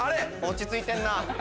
落ち着いてんな。